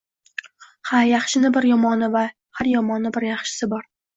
Har yaxshini bir yomoni va har yomonni bir yaxshisi bor